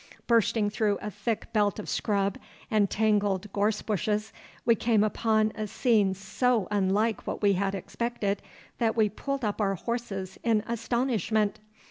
Bursting through a thick belt of scrub and tangled gorse bushes, we came upon a scene so unlike what we had expected that we pulled up our horses in astonishment.